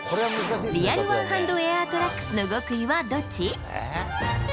リアルワンハンドエアートラックスの極意はどっち？